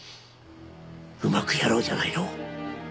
うまくやろうじゃないの。